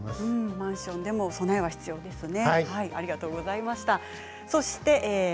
マンションでも備えが大事ですね。